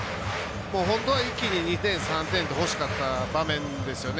本当は一気に２点、３点と欲しかった場面ですよね。